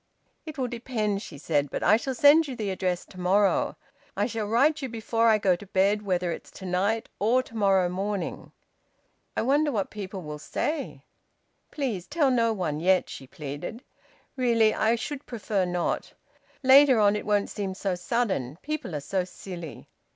"It will depend," she said. "But I shall send you the address to morrow. I shall write you before I go to bed whether it's to night or to morrow morning." "I wonder what people will say!" "Please tell no one, yet," she pleaded. "Really, I should prefer not! Later on, it won't seem so sudden; people are so silly."